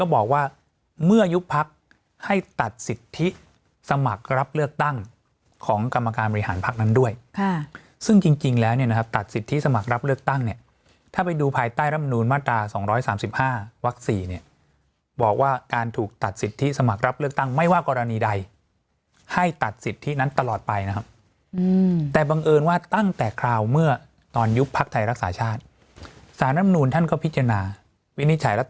บอกว่าเมื่อยุบพักให้ตัดสิทธิสมัครับเลือกตั้งของกรรมการบริหารพักนั้นด้วยค่ะซึ่งจริงจริงแล้วเนี้ยนะครับตัดสิทธิสมัครับเลือกตั้งเนี้ยถ้าไปดูภายใต้ร่ำนูนมาตราสองร้อยสามสิบห้าวักสี่เนี้ยบอกว่าการถูกตัดสิทธิสมัครับเลือกตั้งไม่ว่ากรณีใดให้ตัดสิทธินั้นตลอดไปนะครับอืมแต